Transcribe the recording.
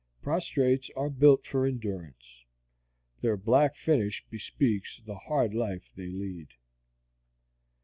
Prostrates are built for endurance. Their black finish bespeaks the hard life they lead.